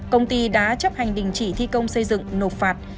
công ty đã chấp hành đình chỉ thi công xây dựng nộp phạt